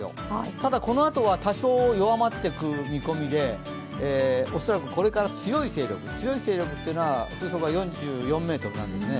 ただこのあとは、多少弱まっていく見込みで恐らくこれから強い勢力強い勢力っていうのは、風速が４４メートルなんですね。